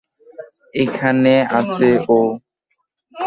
এখানে আছে ও?